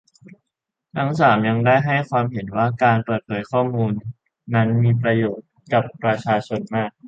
ทั้ง สาม ยังได้ให้ความเห็นว่า การเปิดข้อมูลนั้นมีประโยชน์ กับ ประชาชนมาก